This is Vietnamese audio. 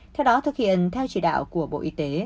theo đó thực hiện theo chỉ đạo của bộ y tế